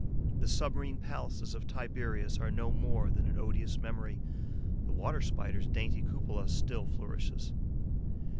The submarine palaces of Tiberius are no more than an odious memory; the Water Spider's dainty cupola still flourishes.